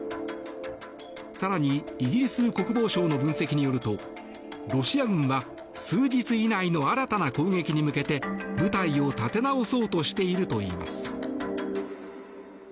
更にイギリス国防省の分析によるとロシア軍は数日以内の新たな攻撃に向けて部隊を立て直そうとしているといいます。